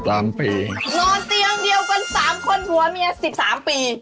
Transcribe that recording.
นอนเตียงเดียวกัน๓คนหัวเมีย๑๓ปี